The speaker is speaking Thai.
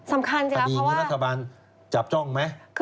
สำคัญจริงกรณีนี้รัฐบาลจับจ้องไหม